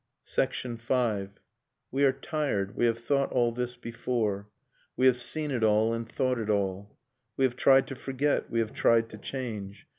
.. V. We are tired, we have thought all this before, j We have seen it all, and thought it all. | We have tried to forget, we have tried to change.